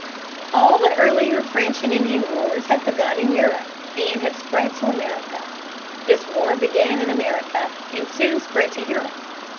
All the earlier French and Indian wars had begun in Europe and had spread to America. This war began in America and soon spread to Europe.